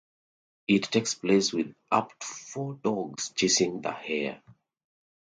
It takes place with up to four dogs chasing the hare.